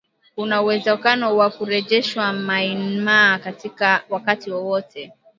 kuna uwezekano wa kurejeshwa Myanmar wakati wowote